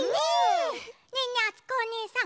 ねえねえあつこおねえさん。